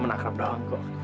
teman akrab doang kok